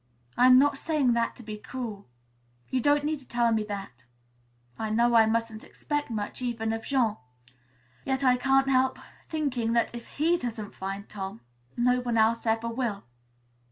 I'm not saying that to be cruel." "You don't need to tell me that. I know I mustn't expect too much, even of Jean. Yet I can't help thinking that if he doesn't find Tom, no one else ever will."